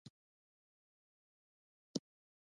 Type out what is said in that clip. د اسلام ستر پیغمبر نړۍ ته سترګې وغړولې.